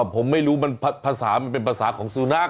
ผมไม่รู้มันภาษามันเป็นภาษาของสุนัข